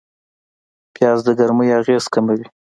پیاز د ګرمۍ اغېز کموي